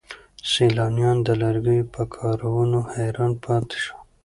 سیلانیان د لرګیو په کارونو حیران پاتې شول.